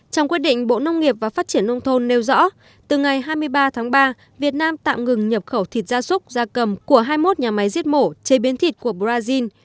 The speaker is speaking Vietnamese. trong quyết định bộ nông nghiệp và phát triển nông thôn nêu rõ từ ngày hai mươi ba tháng ba việt nam tạm ngừng nhập khẩu thịt gia súc gia cầm của hai mươi một nhà máy giết mổ chế biến thịt của brazil